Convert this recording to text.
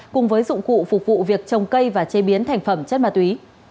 cùng với dụng cụ phục vụ việc trồng cây và chế biến thành phẩm chất ma túy